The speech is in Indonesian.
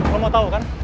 lo mau tau kan